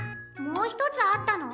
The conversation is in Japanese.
もうひとつあったの？